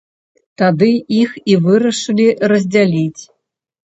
Тады іх і вырашылі раздзяліць.